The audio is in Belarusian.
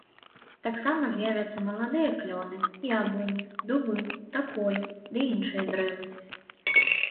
Таксама з'явяцца маладыя клёны, яблыні, дубы, таполі ды іншыя дрэвы.